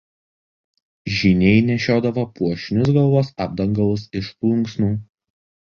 Žyniai nešiodavo puošnius galvos apdangalus iš plunksnų.